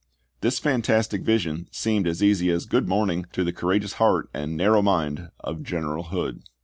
This fantastic vision seemed as easy as "good morning" to the courageous heart and narrow mind of General Hood.